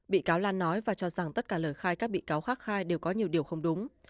bị cáo lan nói và cho rằng tất cả lời khai các bị cáo khác khai đều có nhiều điều không đúng